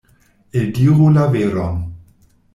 Eldiru la veron.